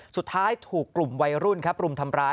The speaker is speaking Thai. สุดท้ายถูกกลุ่มวัยรุ่นครับรุมทำร้าย